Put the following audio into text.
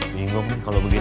bingung kalau begini